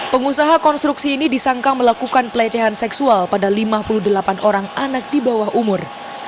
pengusaha konstruksi ini disangka melakukan pelecehan seksual pada lima puluh delapan orang anak di bawah umur